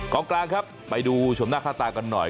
กลางครับไปดูชมหน้าค่าตากันหน่อย